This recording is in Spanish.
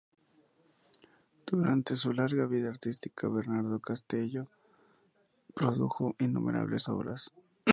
Durante su larga vida artística Bernardo Castello produjo innumerables obras.